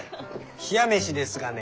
冷や飯ですがね